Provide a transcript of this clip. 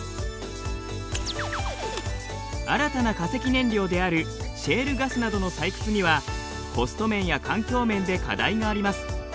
新たな化石燃料であるシェールガスなどの採掘にはコスト面や環境面で課題があります。